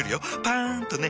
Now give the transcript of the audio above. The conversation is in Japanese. パン！とね。